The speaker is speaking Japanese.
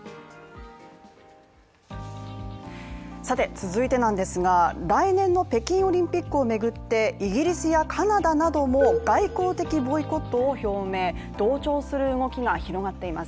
続いてなんですが、来年の北京オリンピックを巡って、イギリスやカナダなどは外交的ボイコットを表明、同調する動きが広がっています。